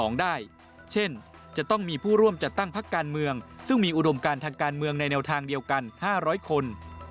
การจัดตั้งพักการเมืองในแนวทางเดียวกัน๕๐๐คน